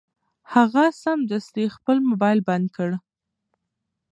هغه سمدستي خپل مبایل بند کړ.